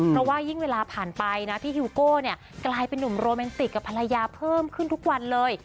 เพราะว่ายิ่งเวลาผ่านไปนะพี่ฮิวโก้เนี่ยกลายเป็นนุ่มโรแมนติกกับภรรยาเพิ่มขึ้นทุกวันเลย